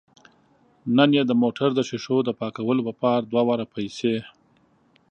نن یې د موټر د ښیښو د پاکولو په پار دوه واره پیسې